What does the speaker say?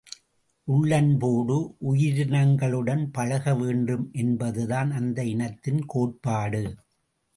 உள்ளன்போடு உயிரினங்களுடன் பழக வேண்டும் என்பதுதான் அந்த இனத்தின் கோட்பாடு.